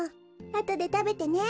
あとでたべてね。